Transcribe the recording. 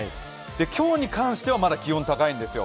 今日に関してはまだ気温が高いんですよ。